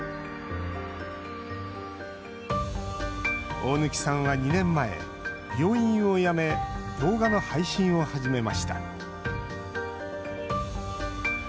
大貫さんは２年前、病院を辞め動画の配信を始めました。